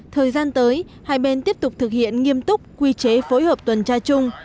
thời gian tới hai bên tiếp tục thực hiện nghiêm túc quy chế phối hợp tuần tra chung